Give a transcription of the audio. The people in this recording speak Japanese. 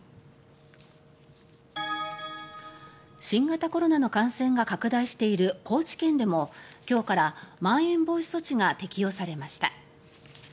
新型コロナの感染が拡大している高知県でも今日からまん延防止措置が適用されました。